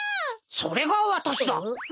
それがわたしだ！